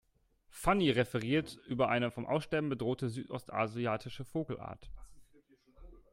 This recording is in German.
Fanny referiert über eine vom Aussterben bedrohte südostasiatische Vogelart.